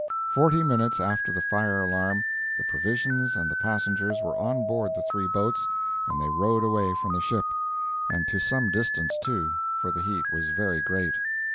Forty minutes after the fire alarm the provisions and passengers were on board the three boats, and they rowed away from the ship—and to some distance, too, for the heat was very great.